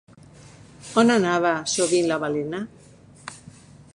On anava, sovint, la Malena?